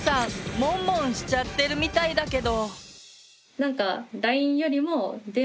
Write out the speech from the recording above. モンモンしちゃってるみたいだけど。